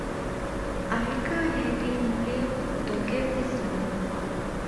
އައިކާ ހެދީ މުޅިއަކުން ދޮގެއްވެސް ނޫން